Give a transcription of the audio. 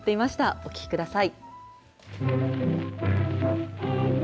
お聴きください。